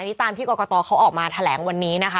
อันนี้ตามที่กรกตเขาออกมาแถลงวันนี้นะคะ